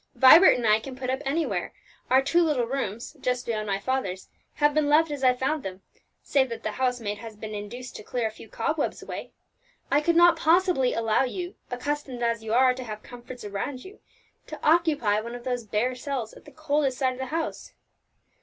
Vibert and I can put up anywhere; our two little rooms, just beyond my father's, have been left as I found them, save that the housemaid has been induced to clear a few cobwebs away. I could not possibly allow you, accustomed as you are to have comforts around you, to occupy one of those bare cells at the coldest side of the house."